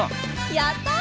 やったあ！